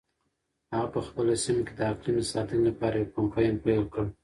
هغه په خپله سیمه کې د اقلیم د ساتنې لپاره یو کمپاین پیل کړ.